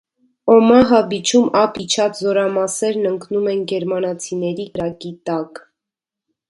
Օմահա բիչում ափ իջած զորամասերն ընկնում են գերմանացիների կրակի տակ։